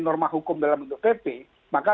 norma hukum dalam bentuk pp maka